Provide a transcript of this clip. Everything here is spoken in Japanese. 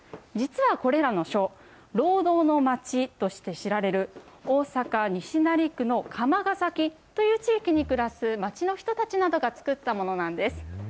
実はこれらの書、労働の町として知られる大阪・西成区の釜ヶ崎という地域に暮らす町の人たちなどが作ったものなんです。